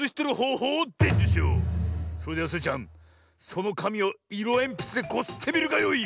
それではスイちゃんそのかみをいろえんぴつでこすってみるがよい。